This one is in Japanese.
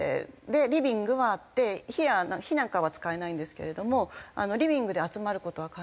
リビングはあって火なんかは使えないんですけれどもリビングで集まる事は可能です。